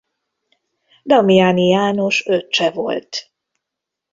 Damiani János öccse volt.